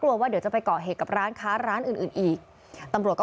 ว่าเดี๋ยวจะไปเกาะเหตุกับร้านค้าร้านอื่นอื่นอีกตำรวจก็